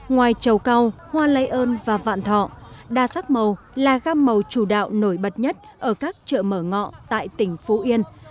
ngoài trầu cao hoa lây ơn và vạn thọ đa sắc màu là gam màu chủ đạo nổi bật nhất ở các chợ mở ngọ tại tỉnh phú yên